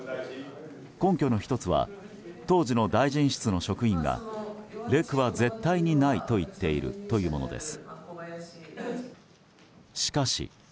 根拠の１つは当時の大臣室の職員はレクは絶対にないと言っているというものです。